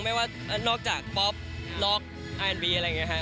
ไม่ว่านอกจากป๊อปนอกอานบีอะไรอย่างนี้ค่ะ